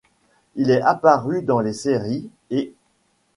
Il est apparu dans les séries ' et '.